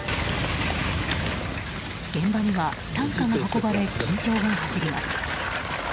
現場には担架が運ばれ緊張が走ります。